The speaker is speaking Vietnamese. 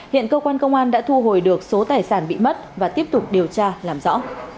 hiện cơ quan công an đã thu hồi được số tài sản bị mất và tiếp tục điều tra làm rõ